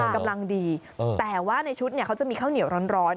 กำลังดีแต่ว่าในชุดเขาจะมีข้าวเหนียวร้อน